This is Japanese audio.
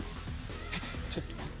えっちょっと待って。